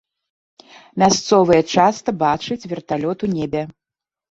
Мясцовыя часта бачаць верталёт у небе.